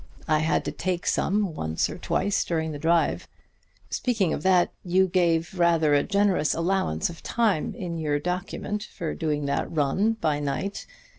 I had to take some once or twice during the drive. Speaking of that, you give rather a generous allowance of time in your document for doing that run by night.